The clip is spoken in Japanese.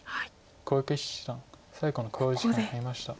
小池七段最後の考慮時間に入りました。